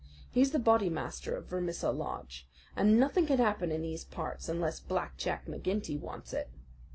He is the Bodymaster of Vermissa Lodge, and nothing can happen in these parts unless Black Jack McGinty wants it.